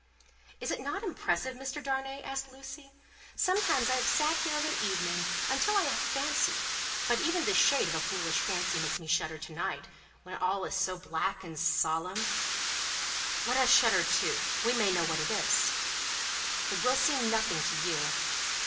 "Is it not impressive, Mr. Darnay?" asked Lucie. "Sometimes, I have sat here of an evening, until I have fancied but even the shade of a foolish fancy makes me shudder to night, when all is so black and solemn " "Let us shudder too. We may know what it is." "It will seem nothing to you.